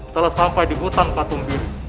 telah sampai di hutan katumbir